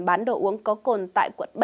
bán đồ uống có cồn tại quận bảy